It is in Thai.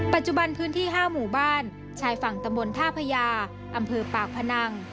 ปัจจุบันพื้นที่๕หมู่บ้านชายฝั่งตำบลท่าพญาอำเภอปากพนัง